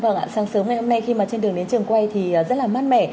vâng ạ sáng sớm ngày hôm nay khi mà trên đường đến trường quay thì rất là mát mẻ